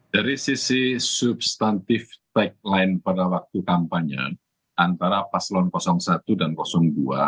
dari sisi substantif tagline pada waktu kampanye antara paslon satu dan dua